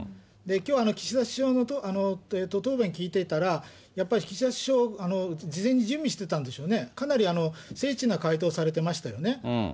きょう、岸田首相の答弁聞いていたら、やっぱり岸田首相、事前に準備してたんでしょうね、かなり精緻な回答されてましたよね。